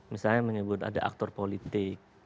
misalnya menyebut ada aktor politik